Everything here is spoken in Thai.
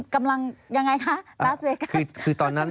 กำลังอย่างไรคะรัสเวกัส